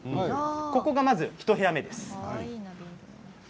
ここがまず１部屋目です。